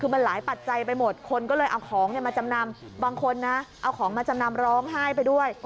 บางคนเอาของมาจำนำร้องไห้ไปด้วย